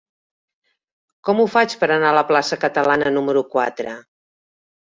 Com ho faig per anar a la plaça Catalana número quatre?